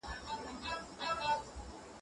ووایي نو ډېر ښه دی.